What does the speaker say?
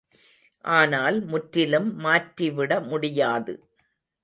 ஆனால் முற்றிலும் மாற்றிவிட முடியாது.